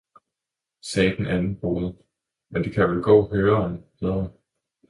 sagde den anden broder, men det kan vel gå 'høreren' bedre!